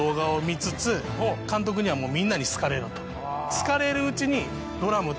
好かれるうちに。